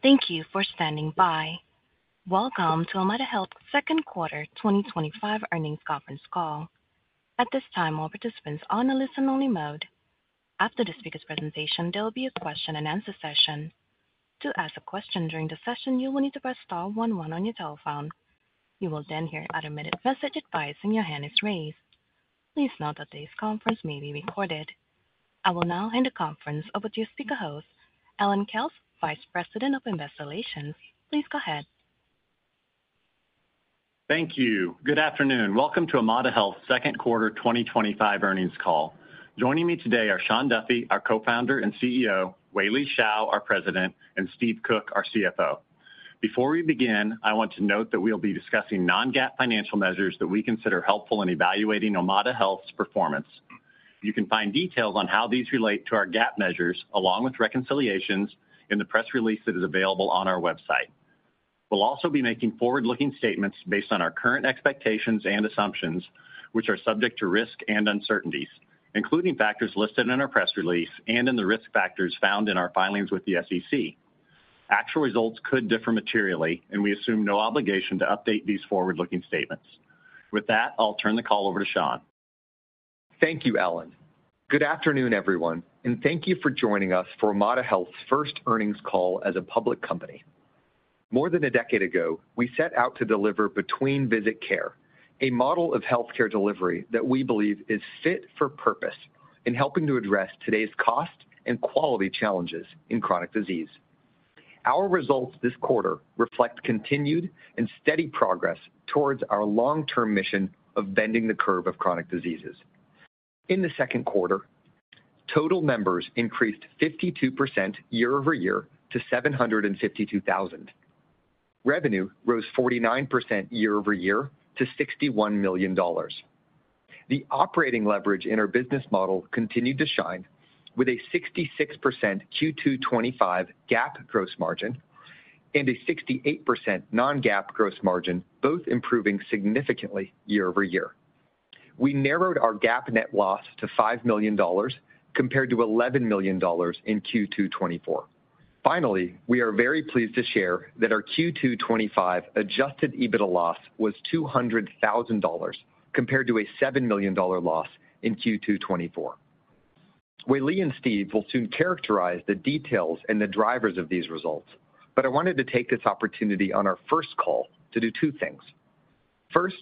Good day. Thank you for standing by. Welcome to Omada Health Second Quarter 2025 Earnings Conference call. At this time, all participants are in a listen only mode. After the speaker's presentation, there will be a question and answer session. To ask a question during the session you will need to press Star one one on your telephone. You will then hear an automated message advising your hand is raised. Please note that this conference may be recorded. I will now hand the conference over to your speaker host Allan Kells, Vice President of Investor Relations. Please go ahead. Thank you. Good afternoon. Welcome to Omada Health Second Quarter 2025 Earnings Call. Joining me today are Sean Duffy, our Co-Founder and CEO, Wei-Li Shao, our President, and Steve Cook, our CFO. Before we begin, I want to note. That we'll be discussing non-GAAP financial. Measures that we consider helpful in evaluating Omada Health's performance. You can find details on how these relate to our GAAP measures, along with reconciliations, in the press release that is available on our website. We'll also be making forward-looking statements based on our current expectations and assumptions, which are subject to risks and uncertainties, including factors listed in our press release and in the risk factors found in our filings with the SEC. Actual results could differ materially, and we. Assume no obligation to update these forward-looking statements. With that, I'll turn the call over to Sean. Thank you, Allan. Good afternoon, everyone, and thank you for joining us for Omada Health's first earnings call. As a public company, more than a decade ago, we set out to deliver between visit care, a model of healthcare delivery that we believe is fit for purpose in helping to address today's cost and quality challenges in chronic disease. Our results this quarter reflect continued and steady progress towards our long-term mission of bending the curve of chronic diseases. In the second quarter, total members increased 52% year-over-year to $752,000. Revenue rose 49% year-over-year to $61 million. The operating leverage in our business model continued to shine with a 66% Q2 2025 GAAP gross margin and a 68% non-GAAP gross margin, both improving significantly year-over-year. We narrowed our GAAP net loss to $5 million compared to $11 million in Q2 2024. Finally, we are very pleased to share that our Q2 2025 adjusted EBITDA loss was $200,000 compared to a $7 million loss in Q2 2024. Wei-Li and Steve will soon characterize the details and the drivers of these results, but I wanted to take this opportunity on our first call to do two things. First,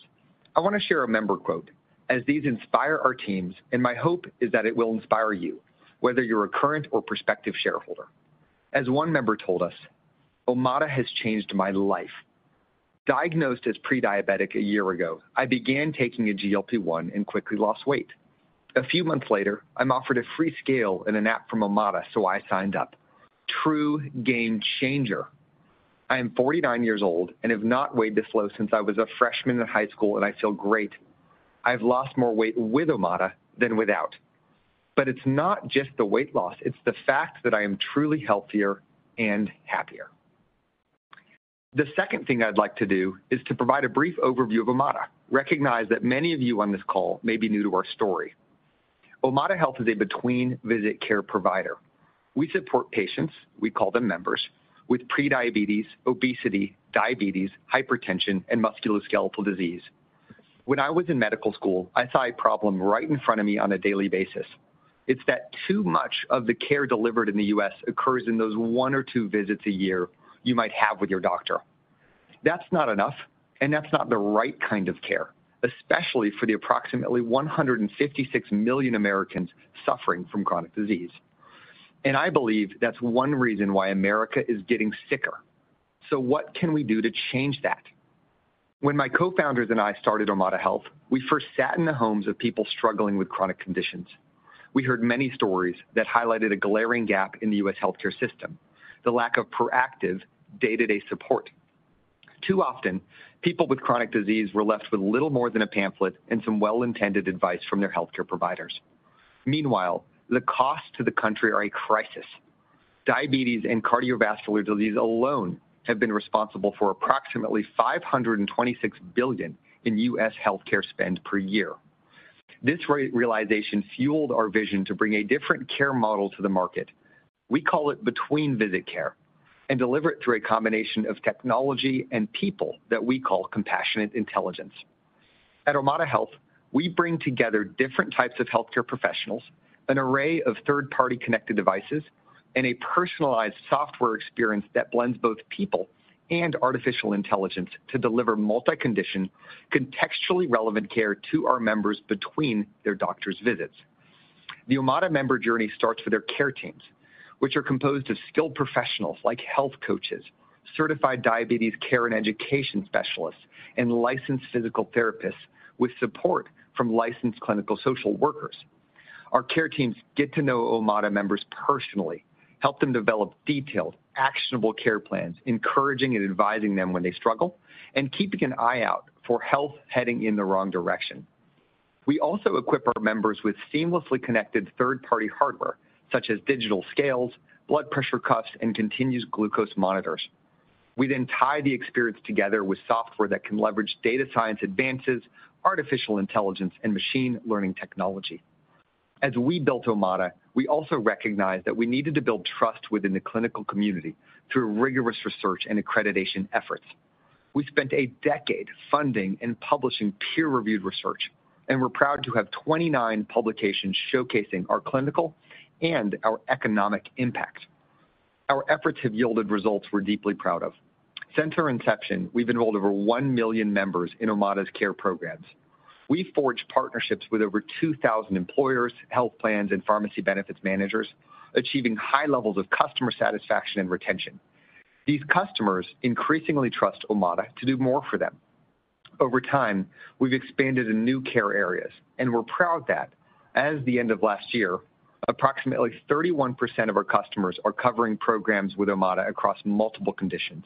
I want to share a member quote, as these inspire our teams, and my hope is that it will inspire you, whether you're a current or prospective shareholder. As one member told us, Omada has changed my life. Diagnosed as prediabetic a year ago, I began taking a GLP-1 and quickly lost weight. A few months later, I'm offered a free scale and an app from Omada, so I signed up. True game changer. I am 49 years old and have not weighed this low since I was a freshman in high school, and I feel great. I have lost more weight with Omada than without, but it is not just the weight loss, it is the fact that I am truly healthier and happier. The second thing I would like to do is to provide a brief overview of Omada. Recognize that many of you on this call may be new to our story. Omada Health is a between visit care provider. We support patients—we call them members—with prediabetes, obesity, diabetes, hypertension, and musculoskeletal disease. When I was in medical school, I saw a problem right in front of me on a daily basis. It's that too much of the care delivered in the U.S. occurs in those one or two visits a year you might have with your doctor. That's not enough, and that's not the right kind of care, especially for the approximately 156 million Americans suffering from chronic disease. I believe that's one reason why America is getting sicker. What can we do to change that? When my co-founders and I started Omada Health, we first sat in the homes of people struggling with chronic conditions. We heard many stories that highlighted a glaring gap in the U.S. healthcare system, the lack of proactive day-to-day support. Too often people with chronic disease were left with little more than a pamphlet and some well-intended advice from their healthcare providers. Meanwhile, the costs to the country are a crisis. Diabetes and cardiovascular disease alone have been responsible for approximately $526 billion in U.S. healthcare spend per year. This realization fueled our vision to bring a different care model to the market. We call it between visit care and deliver it through a combination of technology and people that we call compassionate intelligence. At Omada Health, we bring together different types of healthcare professionals, an array of third-party connected devices, and a personalized software experience that blends both people and artificial intelligence to deliver multi-condition contextually relevant care to our members between their doctor's visits. The Omada member journey starts with their care teams, which are composed of skilled professionals like health coaches, certified diabetes care and education specialists, and licensed physical therapists. With support from licensed clinical social workers, our care teams get to know Omada members personally, help them develop detailed, actionable care plans, encourage and advise them when they struggle, and keep an eye out for health heading in the wrong direction. We also equip our members with seamlessly connected third-party hardware such as digital scales, blood pressure cuffs, and continuous glucose monitors. We then tie the experience together with software that can leverage data science advances, artificial intelligence, and machine learning technology. As we built Omada, we also recognized that we needed to build trust within the clinical community through rigorous research and accreditation efforts. We spent a decade funding and publishing peer-reviewed research, and we're proud to have 29 publications showcasing our clinical and our economic impact. Our efforts have yielded results we're deeply proud of. Since our inception, we've enrolled over One million members in Omada's care programs. We forged partnerships with over 2,000 employers, health plans, and pharmacy benefit managers, achieving high levels of customer satisfaction and retention. These customers increasingly trust Omada Health to do more for them. Over time, we've expanded in new care areas, and we're proud that as of the end of last year, approximately 31% of our customers are covering programs with Omada Health across multiple conditions,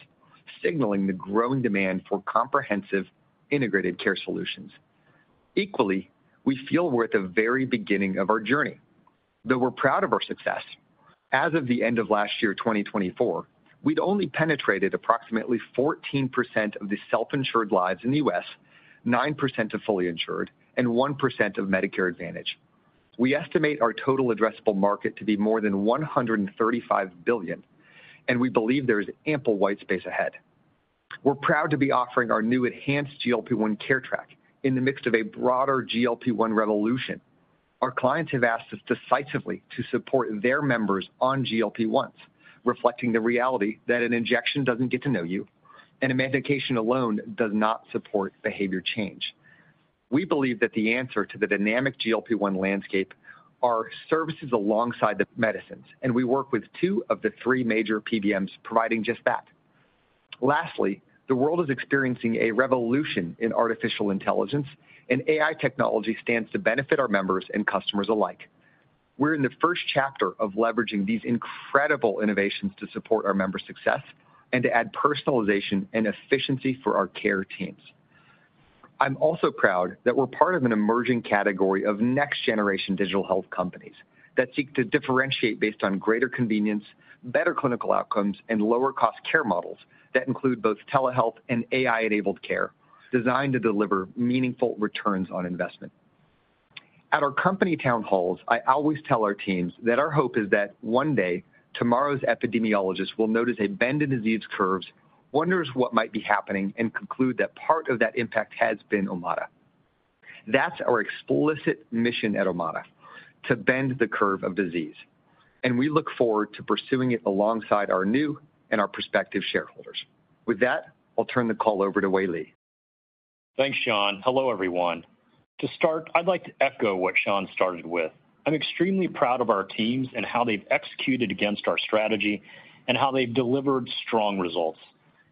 signaling the growing demand for comprehensive integrated care solutions. Equally, we feel we're at the very beginning of our journey, though we're proud of our success. As of the end of last year 2024, we'd only penetrated approximately 14% of the self-insured lives in the U.S., 9% of fully insured, and 1% of Medicare Advantage. We estimate our total addressable market to be more than $135 billion, and we believe there is ample white space ahead. We're proud to be offering our new enhanced GLP-1 Care Track in the midst of a broader GLP-1 revolution. Our clients have asked us decisively to support their members on GLP-1s, reflecting the reality that an injection doesn't get to know you and medication alone does not support behavior change. We believe that the answer to the dynamic GLP-1 landscape are services alongside the medicines, and we work with two of the three major PBMs providing just that. Lastly, the world is experiencing a revolution in artificial intelligence, and AI technology stands to benefit our members and customers alike. We're in the first chapter of leveraging these incredible innovations to support our member success and to add personalization and efficiency for our care teams. I'm also proud that we're part of an emerging category of next generation digital health companies that seek to differentiate based on greater convenience, better clinical outcomes, and lower cost care models that include both telehealth and AI-enabled care designed to deliver meaningful returns on investment. At our company town halls, I always tell our teams that our hope is that one day tomorrow's epidemiologist will notice a bend in disease curves, wonder what might be happening, and conclude that part of that impact has been Omada Health. That's our explicit mission at Omada Health, to bend the curve of disease, and we look forward to pursuing it alongside our new and our prospective shareholders. With that, I'll turn the call over to Wei-Li. Thanks Sean, hello everyone. To start, I'd like to echo what Sean started with. I'm extremely proud of our teams and how they've executed against our strategy and how they've delivered strong results.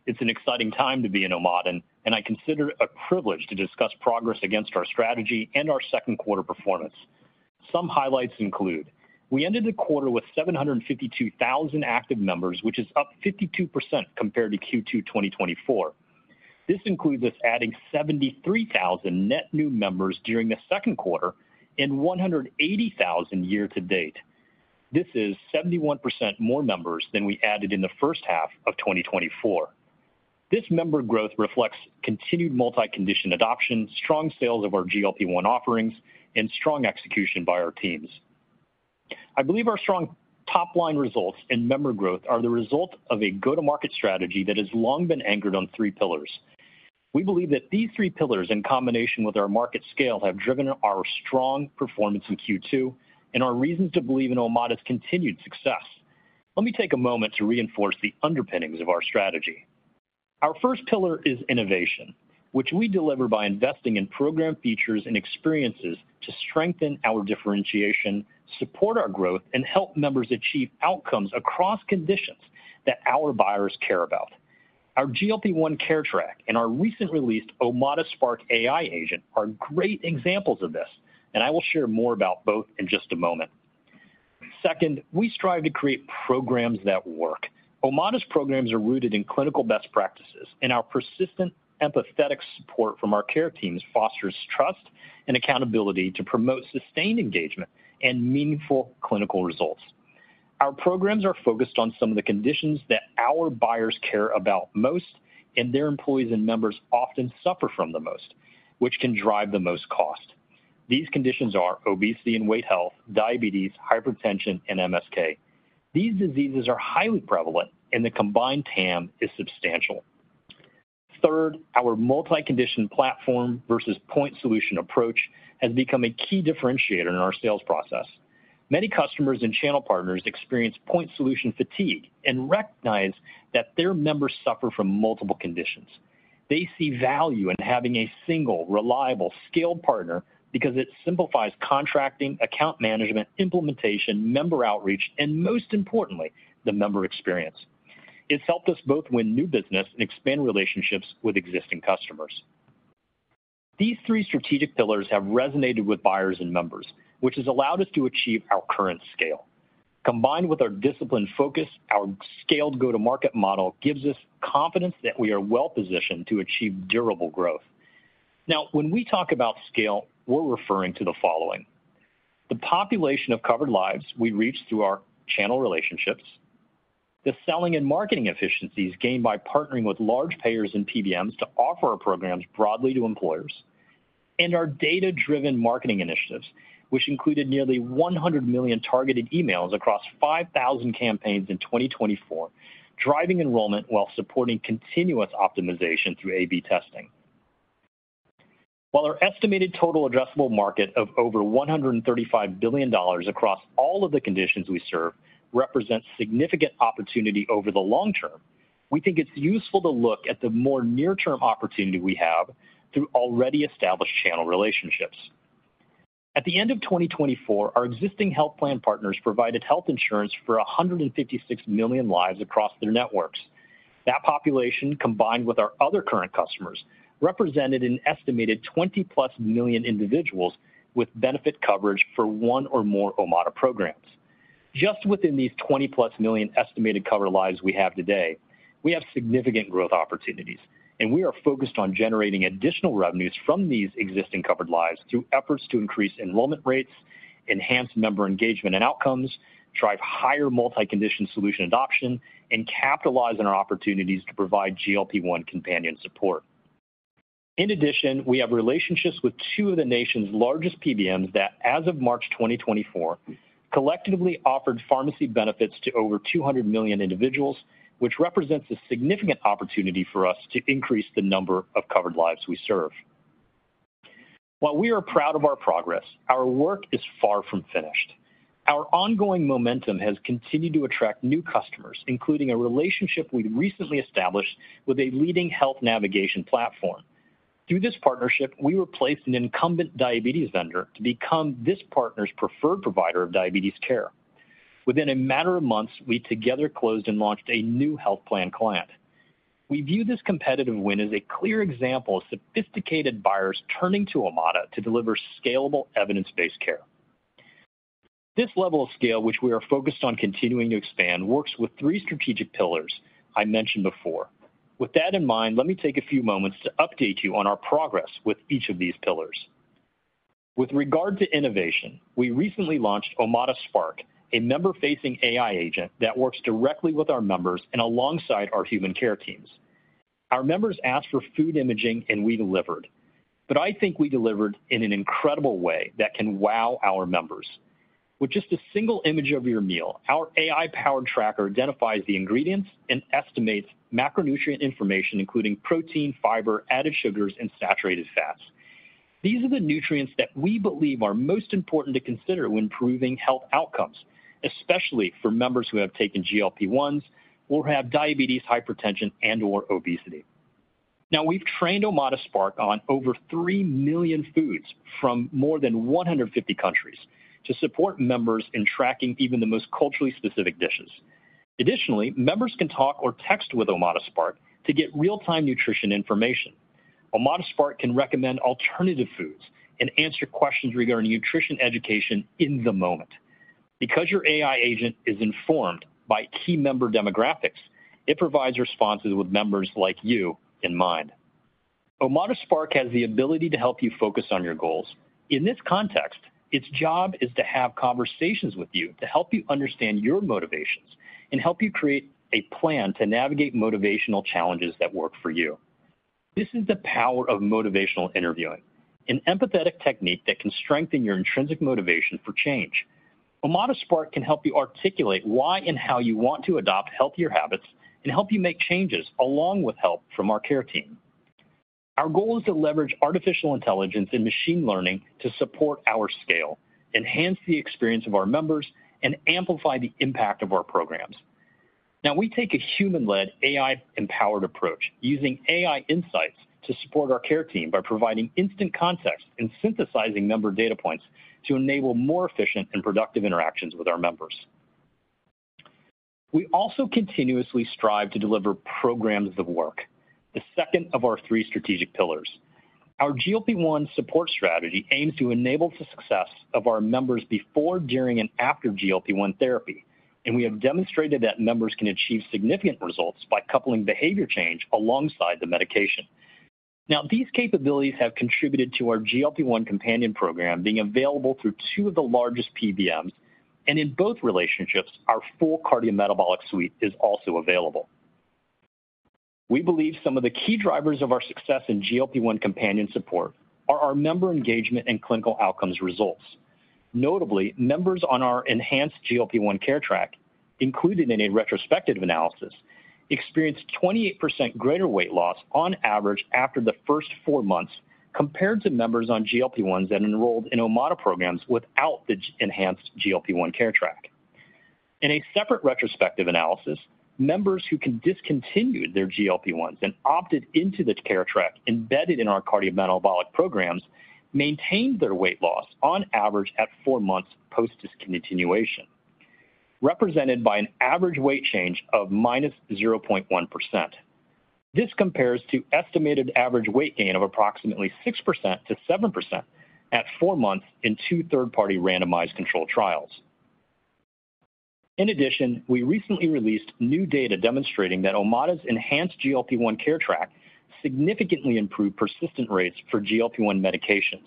It's an exciting time to be in Omada and I consider it a privilege. To discuss progress against our strategy. Our second quarter performance. Some highlights include we ended the quarter with 752,000 active members, which is up 52% compared to Q2 2024. This includes us adding 73,000 net new members during the second quarter and 180,000 year to date. This is 71% more members than we. Added in the first half of 2024. This member growth reflects continued multi-condition. Adoption, strong sales of our GLP-1 offerings. Strong execution by our teams. I believe our strong top line results and member growth are the result of. A go-to-market strategy that has. Long been anchored on three pillars. We believe that these three pillars in combination with our market scale have driven our strong performance in Q2 and our reasons to believe in Omada Health's continued success. Let me take a moment to reinforce the underpinnings of our strategy. Our first pillar is innovation, which we deliver by investing in program features and experiences to strengthen our differentiation, support our growth, and help members achieve outcomes across conditions that our buyers care about. Our GLP-1 Care Track and our recently released Omada Spark AI agent are great examples of this, and I will share more about both in just a moment. Second, we strive to create programs that work. Health's programs are rooted in clinical best. Practices and our persistent, empathetic support from our care teams fosters trust and accountability to promote sustained engagement and meaningful clinical results. Our programs are focused on some of the conditions that our buyers care about most, and their employees and members often suffer from the most, which can drive the most cost. These conditions are obesity and weight health, diabetes, hypertension, and MSK. These diseases are highly prevalent, and the combined TAM is substantial. Third, our multi-condition platform versus point solution approach has become a key differentiator. In our sales process. Many customers and channel partners experience point solution fatigue and recognize that their members suffer from multiple conditions. They see value in having a single, reliable, skilled partner because it simplifies contracting, account management, implementation, member outreach, and most importantly, the member experience. It's helped us both win new business and expand relationships with existing customers. These three strategic pillars have resonated with buyers and members, which has allowed us to achieve our current scale. Combined with our disciplined focus, our scaled go to market model gives us confidence that we are well positioned to achieve durable growth. Now, when we talk about scale, we're referring to the following: the population of covered lives we reach through our channel relationships, the selling and marketing efficiencies gained by partnering with large payers and PBMs to offer our programs broadly to employers, and our data-driven marketing initiatives, which included nearly 100 million targeted emails across 5,000 campaigns in 2024, driving enrollment while supporting continuous optimization through A/B testing. While our estimated total addressable market of. Over $135 billion across all of the conditions we serve represents significant opportunity over the long term. We think it's useful to look at the more near-term opportunity we have through already established channel relationships. At the end of 2024, our existing health plan partners provided health insurance for 156 million lives across their networks. That population, combined with our other current customers, represented an estimated 20 million individuals with benefit coverage for one or more Omada Health programs. Just within these 20+ million estimated covered lives we have today, we have significant growth opportunities and we are focused on generating additional revenues from these existing covered lives through efforts to increase enrollment rates, enhanced member engagement and outcomes, drive higher multi-condition solution adoption, and capitalize on our opportunities to provide GLP-1 companion support. In addition, we have relationships with two of the nation's largest PBMs that as of March 2024 collectively offered pharmacy benefits to over 200 million individuals, which represents a significant opportunity for us to increase the number of covered lives we serve. While we are proud of our progress. Our work is far from finished. Our ongoing momentum has continued to attract new customers, including a relationship we recently established with a leading health navigation platform. Through this partnership, we replaced an incumbent diabetes vendor to become this partner's preferred provider of diabetes care. Within a matter of months, we together closed and launched a new health plan client. We view this competitive win as a clear example of sophisticated buyers turning to Omada Health to deliver scalable, evidence-based care. This level of scale, which we are focused on continuing to expand, works with three strategic pillars I mentioned before. With that in mind, let me take a few moments to update you on our progress with each of these pillars. With regard to innovation, we recently launched Omada Spark AI agent, a member-facing AI agent that works directly with our members and alongside our human care teams. Our members asked for food imaging and we delivered, but I think we delivered. In an incredible way that can wow. Our members with just a single image of your meal. Our AI-powered tracker identifies the ingredients and estimates macronutrient information, including protein, fiber, added sugars, and saturated fats. These are the nutrients that we believe are most important to consider when proving health outcomes, especially for members who have taken GLP-1s or have diabetes, hypertension, and/or obesity. Now we've trained Omada Spark on over 3 million foods from more than 150 countries to support members in tracking even the most culturally specific dishes. Additionally, members can talk or text with Omada Spark to get real-time nutrition information. Omada Spark can recommend alternative foods and answer questions regarding nutrition education in the moment. Because your AI agent is informed by team member demographics, it provides responses with members like you in mind. Omada Spark has the ability to help you focus on your goals in this context. Its job is to have conversations with you to help you understand your motivations and help you create a plan to navigate motivational challenges that work for you. This is the power of motivational interviewing, an empathetic technique that can strengthen your intrinsic motivation for change. Omada Spark can help you articulate why and how you want to adopt healthier habits and help you make changes, along with help from our care team. Our goal is to leverage artificial intelligence and machine learning to support our scale, enhance the experience of our members, and amplify the impact of our programs. Now we take a human-led, AI-empowered approach, using AI insights to support our care team by providing instant context and synthesizing numbered data points to enable more efficient and productive interactions with our members. We also continuously strive to deliver programs that work. The second of our three strategic pillars, our GLP-1 support strategy, aims to enable the success of our members before, during, and after GLP-1 therapy, and we have demonstrated that members can achieve significant results by coupling behavior change alongside the medication. These capabilities have contributed to our GLP-1 companion program being available through two of the largest PBMs, and in both relationships, our full cardiometabolic suite is also available. We believe some of the key drivers of our success in GLP-1 companion support are our member engagement and clinical outcomes results. Notably, members on our enhanced GLP-1 Care Track included in a retrospective analysis experienced 28% greater weight loss on average after the first four months compared to members on GLP-1s that enrolled in Omada programs without the enhanced GLP-1 Care Track. In a separate retrospective analysis, members who can discontinue their GLP-1s and opted into the care track embedded in our cardiometabolic programs maintained their weight loss on average at four months post discontinuation, represented by an average weight change of -0.1%. This compares to estimated average weight gain of approximately 6%-7% at four months in two third-party randomized control trials. In addition, we recently released new data demonstrating that Omada's enhanced GLP-1 Care Track significantly improved persistence rates for GLP-1 medications.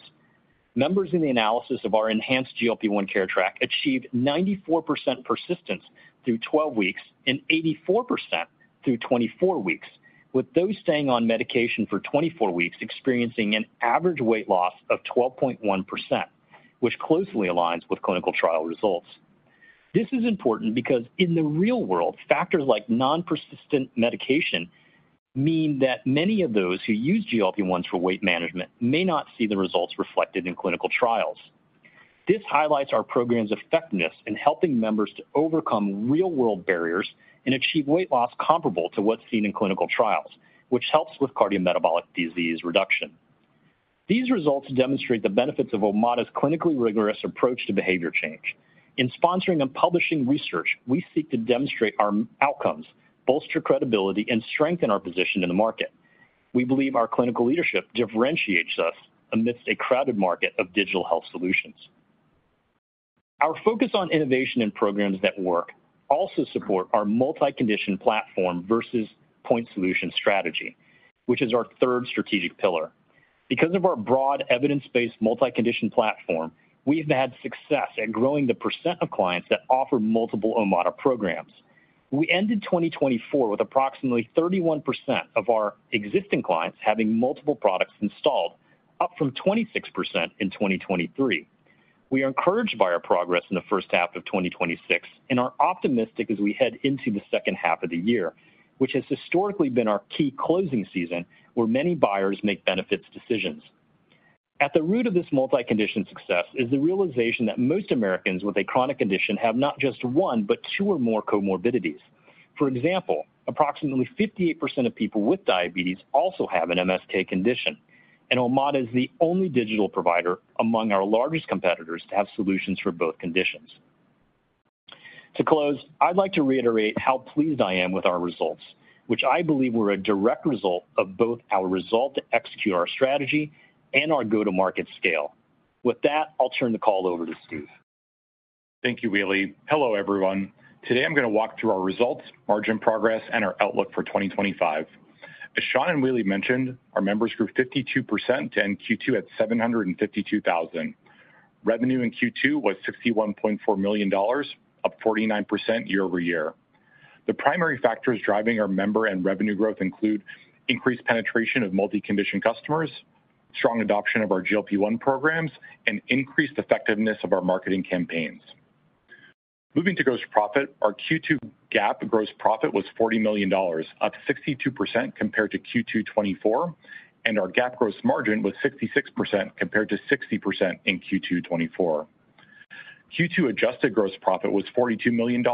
Members in the analysis of our enhanced GLP-1 Care Track achieved 94% persistence through 12 weeks and 84% through 24 weeks, with those staying on medication for 24 weeks experiencing an average weight loss of 12.1%, which closely aligns with clinical trial results. This is important because in the real world, factors like non-persistent medication mean that many of those who use GLP-1s for weight management may not see the results reflected in clinical trials. This highlights our program's effectiveness in helping members to overcome real-world barriers and achieve weight loss comparable to what's seen in clinical trials, which helps with cardiometabolic disease reduction. These results demonstrate the benefits of Omada's clinically rigorous approach to behavior change. In sponsoring and publishing research, we seek to demonstrate our outcomes, bolster credibility, and strengthen our position in the market. We believe our clinical leadership differentiates us amidst a crowded market of digital health solutions. Our focus on innovation and programs that work also support our multi-condition platform versus point solution strategy, which is our third strategic pillar. Because of our broad evidence-based multi-condition platform, we've had success at growing the percent of clients that offer multiple Omada programs. We ended 2024 with approximately 31% of our existing clients having multiple products installed. Up from 26% in 2023. We are encouraged by our progress in the first half of 2026 and are optimistic as we head into the second half of the year, which has historically been our key closing season where many buyers make benefits decisions. At the root of this multi-condition success is the realization that most Americans with a chronic condition have not just one but two or more comorbidities. For example, approximately 58% of people with diabetes also have an MSK condition, and Omada Health is the only digital provider among our largest competitors to have solutions for both conditions. To close, I'd like to reiterate how. I am pleased with our results, which I believe were a direct result of both our resolve to execute our strategy and our go-to-market scale. With that, I'll turn the call over to Steve. Thank you, Wei-Li. Hello everyone. Today I'm going to walk through our results, margin progress, and our outlook for 2025. As Sean and Wei-Li mentioned, our members grew 52% to end Q2 at $752,000. Revenue in Q2 was $61.4 million, up 49% year-over-year. The primary factors driving our member and revenue growth include increased penetration of multi-condition customers, strong adoption of our GLP-1 programs, and increased effectiveness of our marketing campaigns. Moving to gross profit, our Q2 GAAP gross profit was $40 million, up 62% compared to Q2 2024, and our GAAP gross margin was 66% compared to 60% in Q2 2024. Q2 adjusted gross profit was $42 million,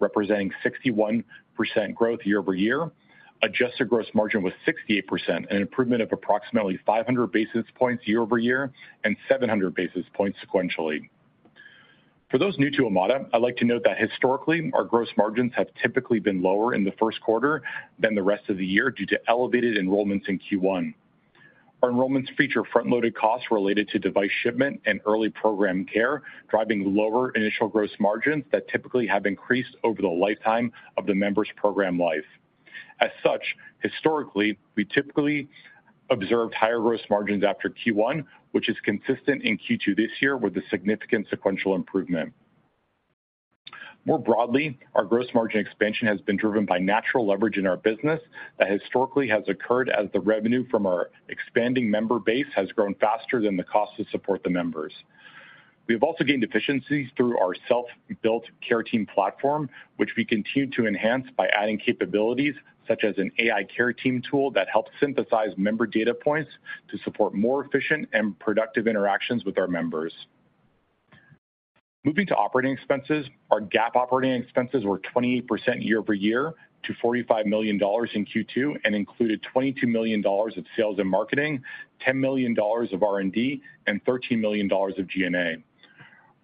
representing 61% growth year-over-year. Adjusted gross margin was 68%, an improvement of approximately 500 basis points year-over-year and 700 basis points sequentially. For those new to Omada Health, I'd like to note that historically our gross margins have typically been lower in the first quarter than the rest of the year due to elevated enrollments in Q1. Our enrollments feature front-loaded costs related to device shipment and early program care, driving lower initial gross margin that typically have increased over the lifetime of the member's program life. As such, historically we typically observed higher gross margins after Q1, which is consistent in Q2 this year with a significant sequential improvement. More broadly, our gross margin expansion has been driven by natural leverage in our business that historically has occurred as the revenue from our expanding member base has grown faster than the cost to support the members. We have also gained efficiencies through our self-built care team platform, which we continue to enhance by adding capabilities such as an AI care team tool that helps synthesize member data points to support more efficient and productive interactions with our members. Moving to operating expenses, our GAAP operating expenses were up 28% year-over-year to $45 million in Q2 and included $22 million of sales and marketing, $10 million of R&D, and $13 million of G&A.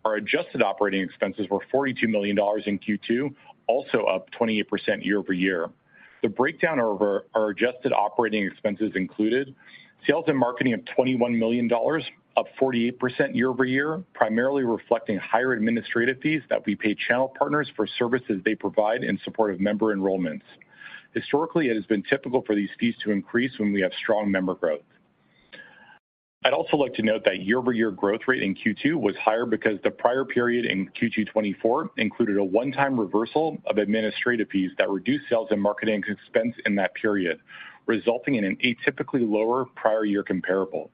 Our adjusted operating expenses were $42 million in Q2, also up 28% year-over-year. The breakdown of our adjusted operating expenses included sales and marketing of $21 million, up 48% year-over-year, primarily reflecting higher administrative fees that we pay channel partners for services they provide in support of member enrollments. Historically, it has been typical for these fees to increase when we have strong member growth. I'd also like to note that year-over-year growth rate in Q2 was higher because the prior period in Q2 2024 included a one time reversal of administrative fees that reduced sales and marketing expense in that period, remember, resulting in an atypically lower prior year comparable.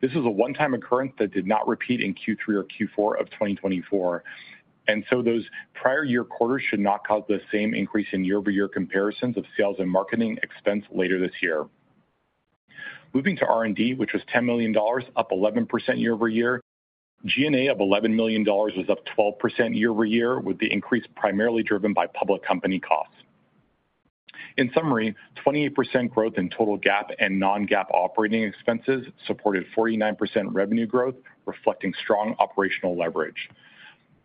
This is a one time occurrence that did not repeat in Q3 or Q4 of 2024, and those prior year quarters should not cause the same increase in year-over-year comparisons of sales and marketing expense later this year. Moving to R&D, which was $10 million, up 11% year- over-year, G&A of $11 million was up 12% year-over-year with the increase primarily driven by public company costs. In summary, 28% growth in total GAAP and non-GAAP operating expenses supported 49% revenue growth, reflecting strong operational leverage.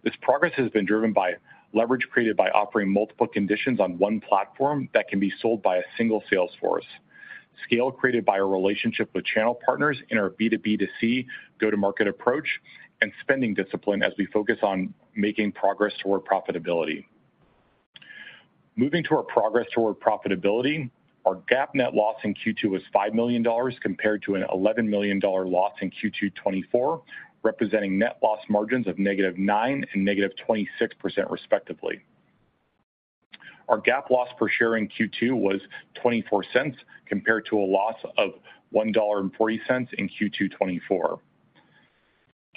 This progress has been driven by leverage created by offering multiple conditions on one platform that can be sold by a single sales force, scale created by a relationship with channel partners in our B2B2C go to market approach, and spending discipline as we focus on making progress toward profitability. Moving to our progress toward profitability, our GAAP net loss in Q2 was $5 million compared to an $11 million loss in Q2 2024, representing net loss margins of negative 9% and negative 26% respectively. Our GAAP loss per share in Q2 was $0.24 compared to a loss of $1.40 in Q2 2024.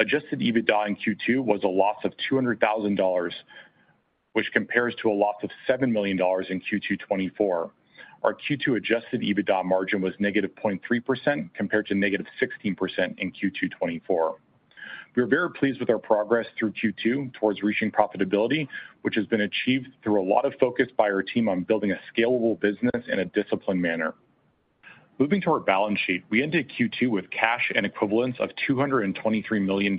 Adjusted EBITDA in Q2 was a loss of $200,000, which compares to a loss of $7 million in Q2 2024. Our Q2 adjusted EBITDA margin was -0.3% compared to -16% in Q2 2024. We are very pleased with our progress through Q2 towards reaching profitability, which has been achieved through a lot of focus by our team on building a scalable business in a disciplined manner. Moving to our balance sheet, we ended Q2 with cash and equivalents of $223 million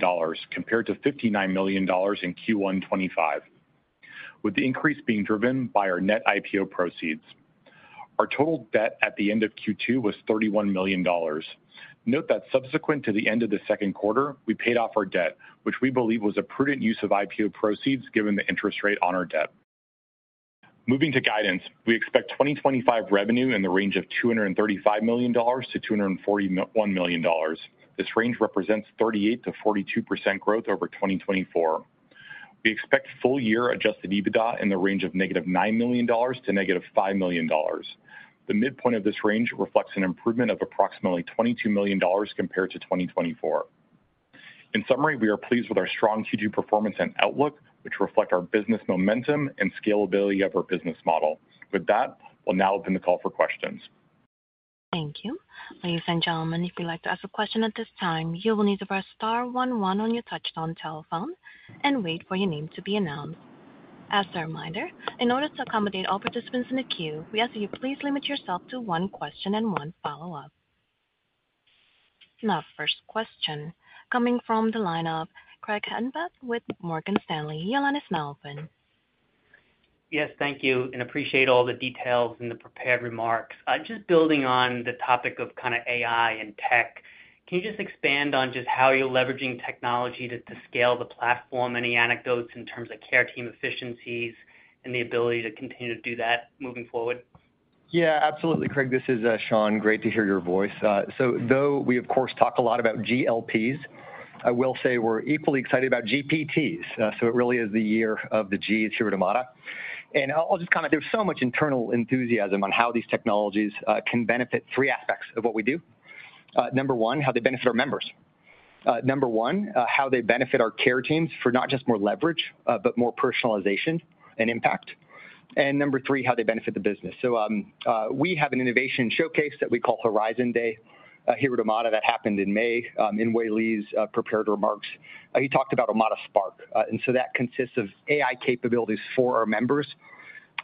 compared to $59 million in Q1 2025, with the increase being driven by our net IPO proceeds. Our total debt at the end of Q2 was $31 million. Note that subsequent to the end of the second quarter, we paid off our debt, which we believe was a prudent use of IPO proceeds given the interest rate on our debt. Moving to guidance, we expect 2025 revenue in the range of $235 million-$241 million. This range represents 38%-42% growth over 2024. We expect full year adjusted EBITDA in the range of -$9 million to -$5 million. The midpoint of this range reflects an improvement of approximately $22 million compared to 2024. In summary, we are pleased with our strong Q2 performance and outlook, which reflect our business momentum and scalability of our business model. With that, we'll now open the call for questions. Thank you, ladies and gentlemen. If you'd like to ask a question at this time, you will need to press star 1 1 on your touch-tone telephone and wait for your name to be announced. As a reminder, in order to accommodate all participants in the queue, we ask that you please limit yourself to one question and one follow-up. Now, first question coming from the lineup. Craig Hettenbach with Morgan Stanley, your line is now open. Yes, thank you and appreciate all the details and the prepared remarks. Just building on the topic of kind of AI and tech, can you just expand on just how you're leveraging technology to scale the platform? Any anecdotes in terms of care team efficiencies and the ability to continue to do that moving forward? Yeah, absolutely. Craig, this is Sean. Great to hear your voice. Though we of course talk a lot about GLPs, I will say we're. Equally excited about AI. It really is the year of the GS here at Omada, and there's so much internal enthusiasm on how these technologies can benefit three aspects of what we do. Number one, how they benefit our members. Number one, how they benefit our care teams for not just more leverage but more personalization and impact. Number three, how they benefit the business. We have an innovation showcase that we call Horizon Day here at Omada that happened in May. In Wei-Li's prepared remarks, he talked about Omada Spark. That consists of AI capabilities for our members,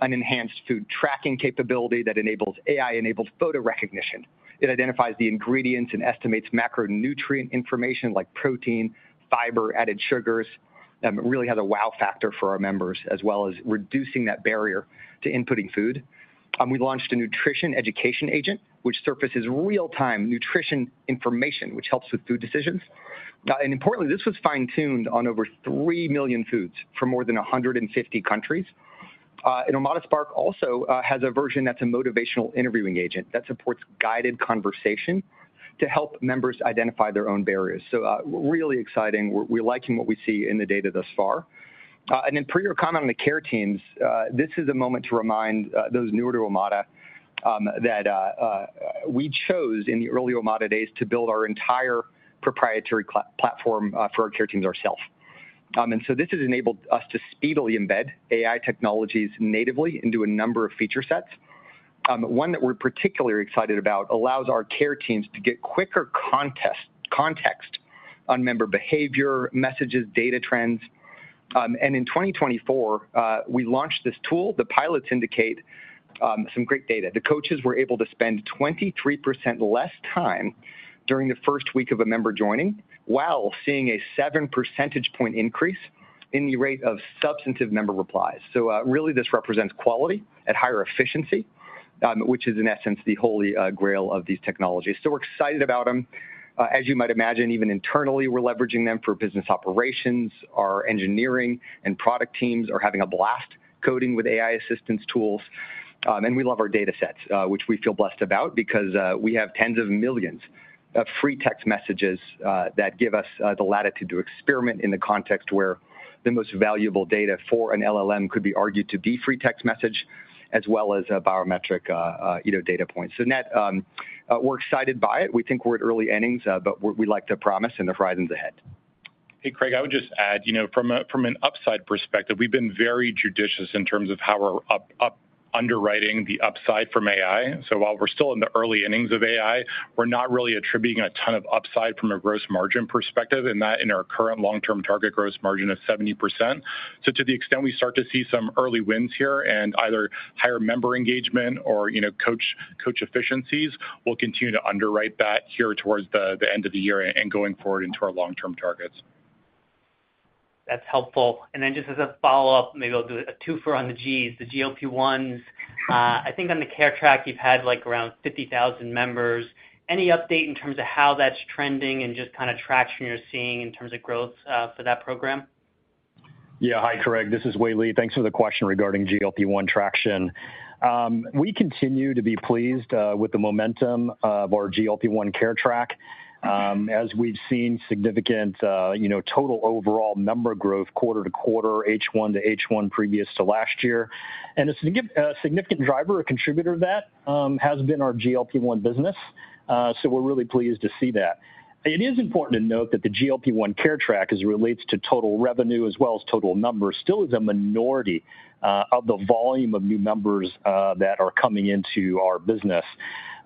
an enhanced food tracking capability that enables AI-enabled photo recognition. It identifies the ingredients and estimates macronutrient information like protein, fiber, added sugars. It really has a wow factor for our members. As well as reducing that barrier to inputting food, we launched a nutrition education agent which surfaces real-time nutrition information which helps with food decisions. Importantly, this was fine-tuned on over 3 million foods for more than 150 countries. Omada Spark also has a version that's a motivational interviewing agent that supports guided conversation to help members identify their own barriers. It's really exciting. We're liking what we see in the data thus far. Per your comment on the care teams, this is a moment to remind those newer to Omada that we chose in the early Omada days to build our entire proprietary platform for our care teams ourselves. This has enabled us to speedily embed AI technologies natively into a number of feature sets. One that we're particularly excited about allows our care teams to get quicker context on member behavior messages and data trends. In 2024, we launched this tool. The pilots indicate some great data. The coaches were able to spend 23% less time during the first week of a member joining while seeing a 7% increase in the rate of substantive member replies. This represents quality at higher efficiency, which is in essence the holy grail of these technologies. We're excited about them. As you might imagine, even internally, we're leveraging them for business operations. Our engineering and product teams are having a blast coding with AI assistance tools. We love our data sets, which we feel blessed about because we have tens of millions of free text messages that give us the latitude to experiment in the context where the most valuable data for an LLM could be argued to be free text message as well as biometric data points. Net, we're excited by it. We think we're at early innings, but we like the promise and the horizons ahead. Hey Craig, I would just add, from an upside perspective, we've been very judicious in terms of how we're underwriting the upside from AI. While we're still in the early innings of AI, we're not really attributing a ton of upside from a gross margin perspective in our current long term target gross margin of 70%. To the extent we start to see some early wins here in either higher member engagement or coach efficiencies, we'll continue to underwrite that here towards the end of the year and going forward into our long term targets. That's helpful. Just as a follow up, maybe I'll do a twofer on the GLP-1s. I think on the GLP-1 Care Track you've had like around 50,000 members. Any update in terms of how that's trending and just kind of traction you're seeing in terms of growth for that program? Yeah, hi Craig, this is Wei-Li. Thanks for the question regarding GLP-1 traction. We continue to be pleased with the momentum of our GLP-1 Care Track as we've seen significant total overall number growth quarter to quarter, H1 to H1 previous to last year. A significant driver or contributor to that has been our GLP-1 business. We're really pleased to see that. It is important to note that the. GLP-1 Care Track, as it relates to total revenue as well as total numbers, still is a minority of the volume of new members that are coming into our business.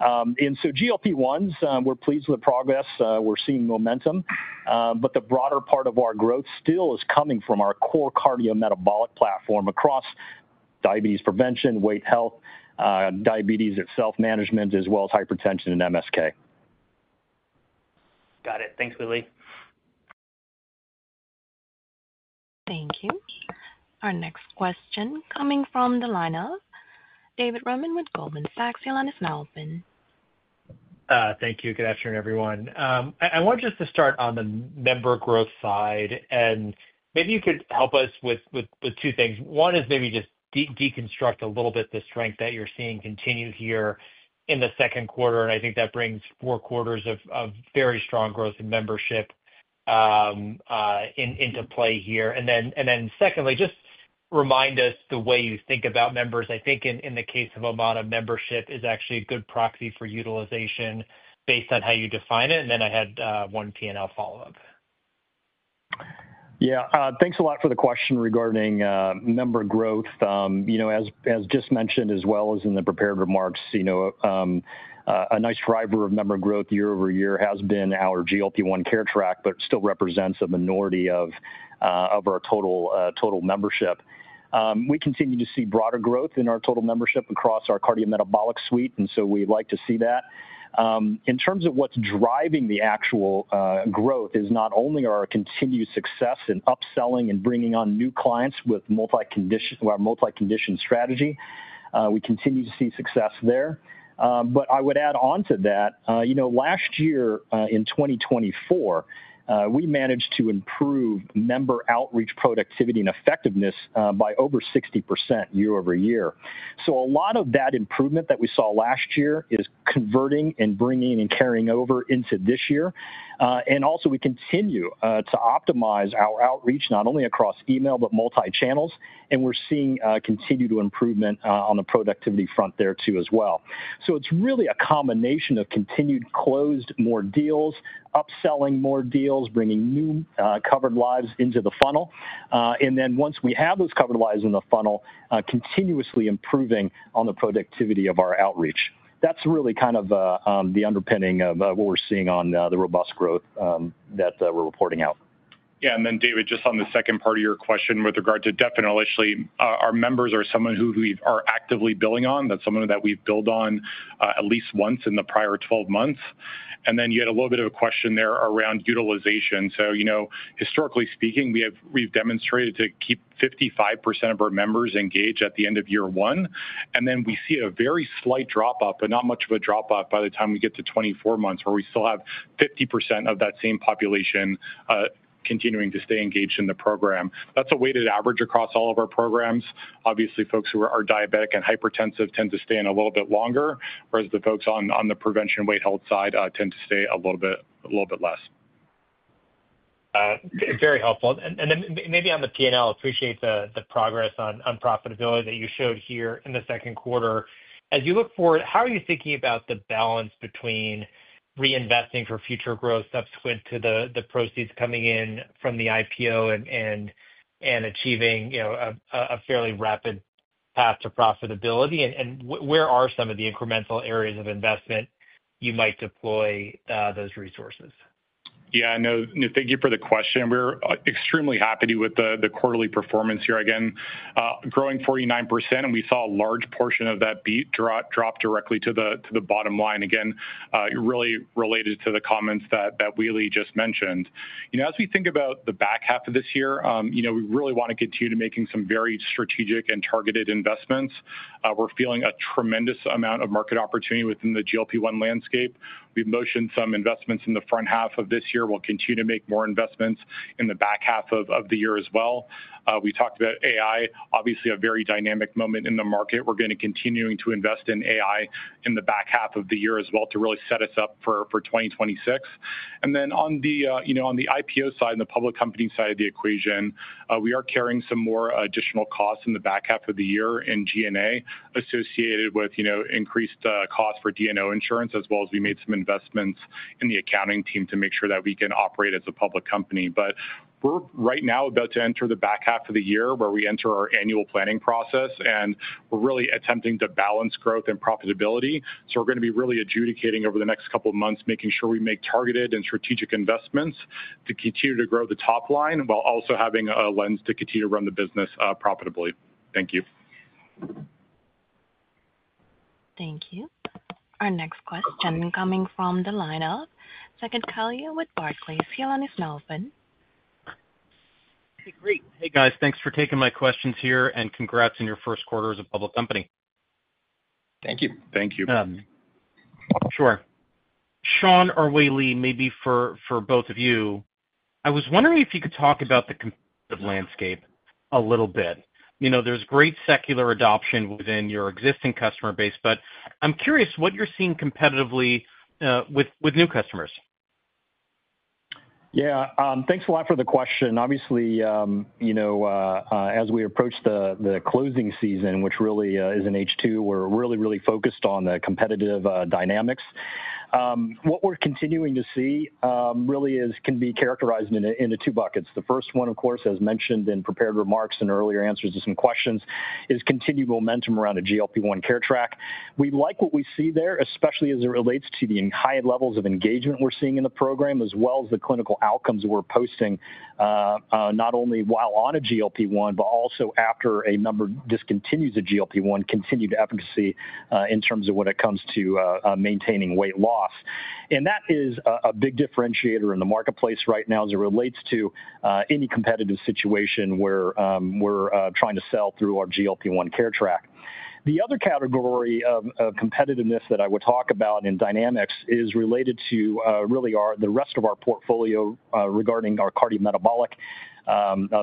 GLP-1s, we're pleased with the progress, we're seeing momentum, but the broader part of our growth still is coming from our core cardiometabolic platform across Diabetes Prevention, weight health, Diabetes Management, as well as Hypertension and Musculoskeletal. Got it. Thanks, Wei-Li. Thank you. Our next question coming from the lineup, David Roman with Goldman Sachs, is now open. Thank you. Good afternoon, everyone. I want to start on the. Member growth side, and maybe you could. Help us with two things. One is maybe just deconstruct a little bit the strength that you're seeing continue here in the second quarter. I think that brings four quarters of very strong growth in membership into play here. Secondly, just remind us the way you think about members. I think in the case of Omada Health, membership is actually a good proxy for utilization based on how you define it. I had one P&L follow up. Yeah, thanks a lot for the question regarding member growth. As just mentioned as well as in the prepared remarks, a nice driver of member growth year-over-year has been our GLP-1 Care Track, but it still represents a minority of our total membership. We continue to see broader growth in our total membership across our cardiometabolic suite. We'd like to see that in terms of what's driving the actual growth; it is not only our continued success in upselling and bringing on new clients with multi-condition, multi-condition strategy. We continue to see success there. I would add on to that, last year in 2024, we managed to improve member outreach, productivity, and effectiveness by over 60% year-over-year. A lot of that improvement that we saw last year is converting and bringing and carrying over into this year. We continue to optimize our outreach not only across email, but multi-channels. We're seeing continued improvement on the productivity front there too as well. It's really a combination of continued closing more deals, upselling more deals, bringing new covered lives into the funnel. Once we have those covered lives in the funnel, continuously improving on the productivity of our outreach, that's really kind of the underpinning of what we're seeing on the robust growth that we're reporting out. Yeah. David, just on the second part of your question with regard to definitely our members are someone who we are actively billing on. That's someone that we've billed on at least once in the prior 12 months. You had a little bit of a question there around utilization. Historically speaking, we've demonstrated to keep 55% of our members engaged at the end of year one. We see a very slight drop, but not much of a drop off by the time we get to 24 months where we still have 50% of that same population continuing to stay engaged in the program. That's a weighted average across all of our programs. Obviously, folks who are diabetic and hypertensive tend to stay in a little bit longer, whereas the folks on the prevention weight health side tend to stay a little bit less. Very helpful. On the P&L, appreciate the progress on profitability that you showed here in the second quarter. As you look forward, how are you thinking about the balance between reinvesting for future growth subsequent to the proceeds coming in from the IPO and achieving a fairly rapid path to profitability? Where are some of the incremental areas of investment you might deploy those resources? Yeah, no, thank you for the question. We're extremely happy with the quarterly performance here, again growing 49%. We saw a large portion of that beat drop directly to the bottom line, really related to the comments that Wei-Li just mentioned. As we think about the back half of this year, we really want to continue making some very strategic and targeted investments. We're feeling a tremendous amount of market opportunity within the GLP-1 landscape. We motioned some investments in the front half of this year. We'll continue to make more investments in the back half of the year as well. We talked about AI, obviously a very dynamic moment in the market. We're going to continue to invest in AI in the back half of the year as well to really set us up for 2026. On the IPO side and the public company side of the equation, we are carrying some more additional costs in the back half of the year in G&A associated with increased cost for D&O insurance, as well as we made some investments in the accounting team to make sure that we can operate as a public company. We're right now about to enter the back half of the year where we enter our annual planning process, and we're really attempting to balance growth and profitability. We're going to be really adjudicating over the next couple of months making sure we make targeted and strategic investments to continue to grow the top line while also having a lens to continue to run the business profitably. Thank you. Thank you. Our next question coming from the line of Saket Kalia with Barclays. Your line is now open. Great. Hey, guys, thanks for taking my questions here, and congrats on your first quarter as a public company. Thank you. Thank you. Sure. Sean or Wei-Li, maybe for both of you. I was wondering if you could talk. About the landscape a little bit. You know, there's great secular adoption within your existing customer base, but I'm curious what you're seeing competitively with new customers. Yeah, thanks a lot for the question. Obviously, as we approach the closing season, which really is in H2, we're really, really focused on the competitive dynamics. What we're continuing to see really can be characterized into two buckets. The first one, of course, as mentioned in prepared remarks and answers to some questions, is continued momentum around the GLP-1 Care Track. We like what we see there, especially as it relates to the high levels of engagement we're seeing in the program as well as the clinical outcomes we're posting not only while on a GLP-1. After a number discontinued the. GLP-1 continued efficacy in terms of when it comes to maintaining weight loss. That is a big differentiator in the marketplace right now as it relates to any competitive situation where we're trying to sell through our GLP-1 Care Track. The other category of competitiveness that I would talk about in dynamics is related to really the rest of our portfolio regarding our cardiometabolic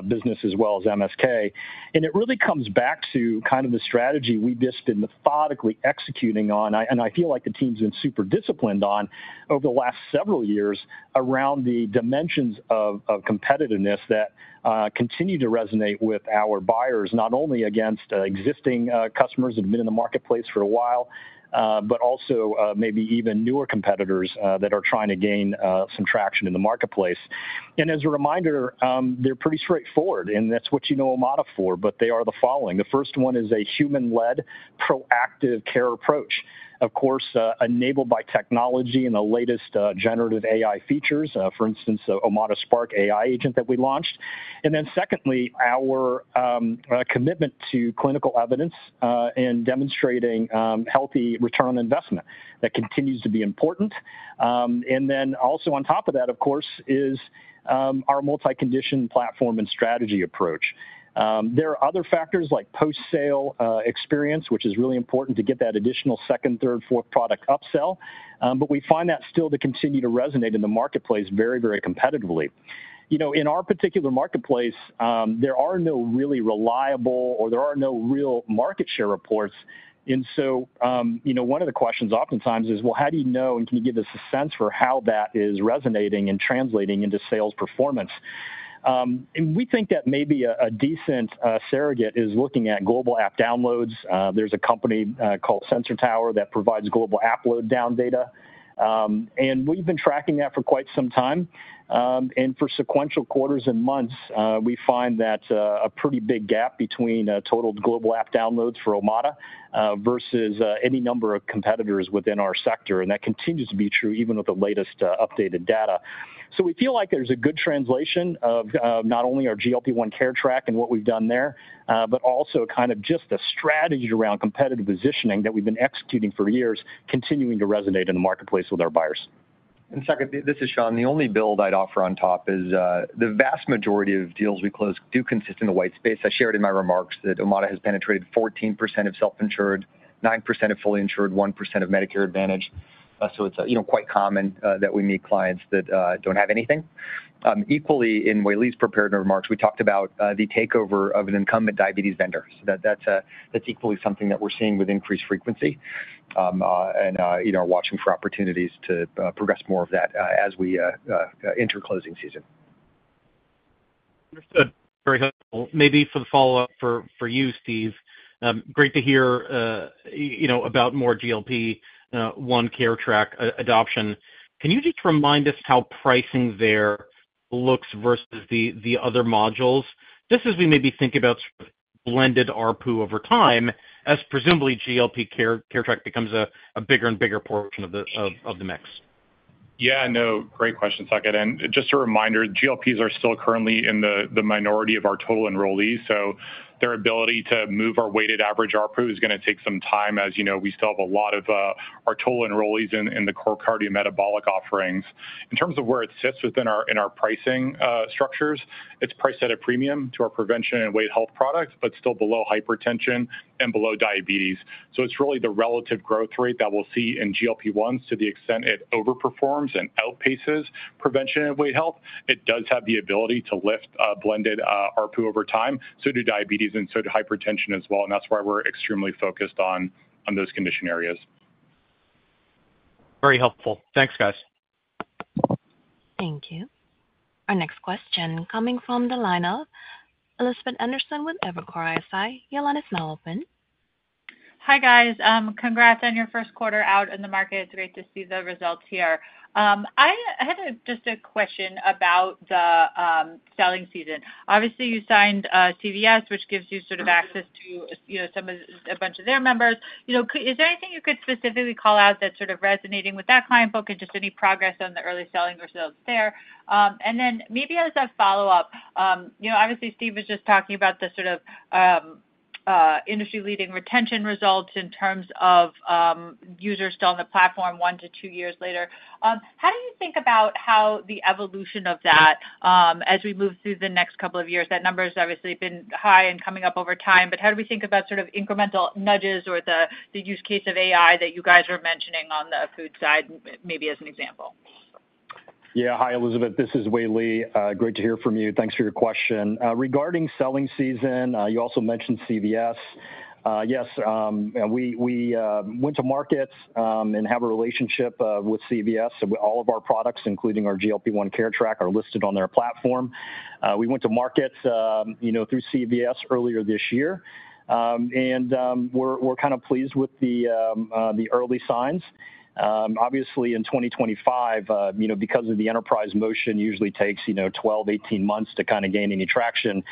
business as well as MSK. It really comes back to kind of the strategy we've just been methodically executing on, and I feel like the team's been super disciplined on over the last several years around the dimensions of competitiveness that continue to resonate with our buyers, not only against existing customers that have been in the marketplace for a while, but also maybe even newer competitors that are trying to gain some traction in the marketplace. As a reminder, they're pretty straightforward. That's what, you know, Omada Health for, but they are the following. The first one is a human-led proactive care approach, of course enabled by technology and the latest generative AI features. For instance, Omada Spark AI agent that we launched. Secondly, our commitment to clinical evidence and demonstrating healthy return on investment that continues to be important. Also on top of that, of course, is our multi-condition platform and strategy approach. There are other factors like post-sale experience, which is really important to get that additional second, third, fourth product upsell, but we find that still to continue to resonate in the marketplace very, very competitively. In our particular marketplace, there are no really reliable or there are no real market share reports. One of the questions oftentimes is, well, how do you. Can you give us a. Sense for how that is resonating and translating into sales performance? We think that maybe a decent surrogate is looking at global app downloads. There's a company called Sensor Tower that provides global app download data and we've been tracking that for quite some time. For sequential quarters and months, we find that a pretty big gap between total global app downloads for Omada Health versus any number of competitors within our. Sector, and that continues to be true. Even with the latest updated data, we feel like there's a good translation of not only our GLP-1 Care Track and what we've done there, but also just the strategy around competitive positioning that we've been executing for years, continuing to resonate in the marketplace with our buyers. Second, this is Sean, the only build I'd offer on top is the vast majority of deals we close do consist in the white space. I shared in my remarks that Omada Health has penetrated 14% of self-insured, 9% of fully insured, 1% of Medicare Advantage. It's quite common that we meet clients that don't have anything. Equally, in Wei-Li's prepared remarks we talked about the takeover of an incumbent diabetes vendor. That's equally something that we're seeing with increased frequency and are watching for opportunities to progress more of that as we enter closing season. Understood, very helpful. Maybe for the follow-up for you, Steve. Great to hear about more GLP-1 Care Track adoption. Can you just remind us how pricing there looks versus the other modules? Just as we maybe think about blended ARPU over time as presumably GLP-1 Care Track becomes a bigger and bigger portion of the mix. Yeah, no, great question, Saket. Just a reminder, GLP-1s are still currently in the minority of our total enrollees. Their ability to move our weighted average ARPU is going to take some time. As you know, we still have a lot of our total enrollees in the core cardiometabolic offerings. In terms of where it sits within our pricing structures, it's priced at a premium to our prevention and weight health products, but still below hypertension and below diabetes. It's really the relative growth rate that we'll see in GLP-1s. To the extent it overperforms and outpaces prevention and weight health, it does have the ability to lift blended ARPU over time. Diabetes and hypertension do as well. That's why we're extremely focused on those condition areas. Very helpful. Thanks guys. Thank you. Our next question coming from the line of Elizabeth Anderson with Evercore ISI. Your line is now open. Hi guys, congrats on your first quarter out in the market. It's great to see the results here. I had just a question about the selling season. Obviously you signed CVS Caremark, which gives you sort of access to, you know, some of a bunch of their members. Is there anything you could specifically call out that's sort of resonating with that client book, and just any progress on the early selling or selling there? Maybe as a follow up, you know, obviously Steve was just talking about the sort of industry leading retention results in terms of users still on the platform one to two years later. How do you think about how the evolution of that as we move through the next couple of years? That number has obviously been high and coming up over time, but how do we think about sort of incremental nudges or the use case of AI that you guys are mentioning on the food side maybe as an example? Yeah. Hi Elizabeth, this is Wei-Li. Great to hear from you. Thanks for your question regarding selling season. You also mentioned CVS. Yes, we went to market and have a relationship with CVS Caremark. All of our products, including our GLP-1 Care Track, are listed on their platform. We went to market through CVS earlier this year and we're kind of pleased with the early signs. Obviously in 2025, because the enterprise motion usually takes 12, 18 months to kind of gain any traction,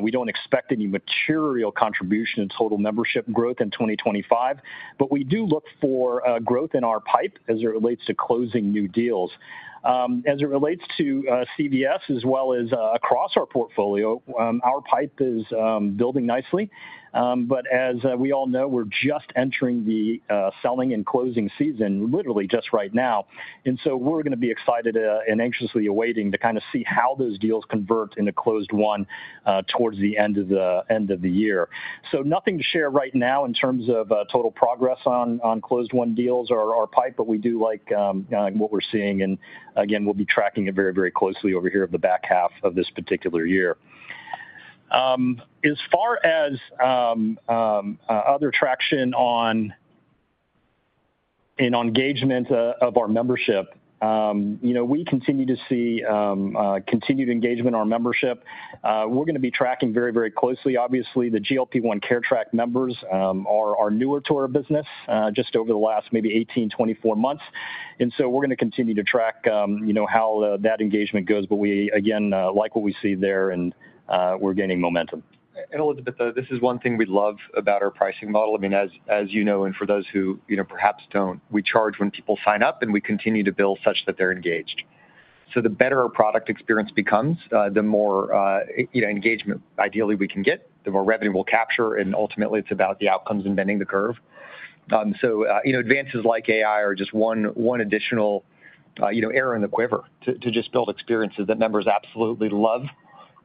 we don't expect any material contribution in total membership growth in 2025, but we do look for growth in our pipe as it relates to closing new deals, as it relates to CVS as well as across our portfolio. Our pipe is building nicely. As we all know, we're just entering the selling and closing season, literally just. We're going to be excited and anxiously awaiting to kind of see how those deals convert into closed won towards the end of the year. Nothing to share right now in terms of total progress on closed won deals or pipe. We do like what we're seeing and again we'll be tracking it very, very closely over here over the back. Half of this particular year. As far as other traction on. In. Engagement of our membership, we continue to see continued engagement. Our membership we're going to be tracking very, very closely. Obviously the GLP-1 Care Track members are newer to our business just over the last maybe 18, 24 months. We're going to continue to track how that engagement goes. We again like what we see there, and we're gaining momentum. Elizabeth, this is one thing we love about our pricing model. As you know, and for those who perhaps don't, we charge when people sign up and we continue to. Build such that they're engaged. The better our product experience becomes, the more engagement ideally we can get, the more revenue we'll capture. Ultimately, it's about the outcomes and bending the curve. Advances like AI are just one additional arrow in the quiver to build experiences that members absolutely love,